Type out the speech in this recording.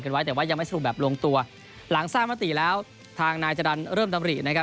กันไว้แต่ว่ายังไม่สรุปแบบลงตัวหลังทราบมัตตรีแล้วทางนายจดันเริ่มตำรีนะครับ